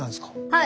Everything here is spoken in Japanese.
はい。